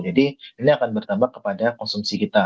jadi ini akan bertambah kepada konsumsi kita